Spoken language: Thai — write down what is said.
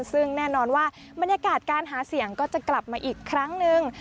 ซึ่งแน่นอนว่าบรรยากาศการหาเสียงก็จะกลับมาอีกครั้งหนึ่ง